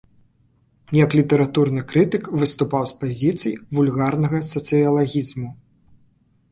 Як літаратурны крытык выступаў з пазіцый вульгарнага сацыялагізму.